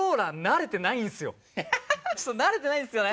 ちょっと慣れてないんですよね。